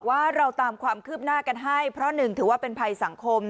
ว่าเราตามความคืบหน้ากันให้เพราะหนึ่งถือว่าเป็นภัยสังคม